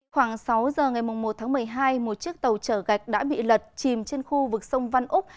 khoảng sáu giờ ngày một tháng một mươi hai một chiếc tàu chở gạch đã bị lật chìm trên khu vực sông văn úc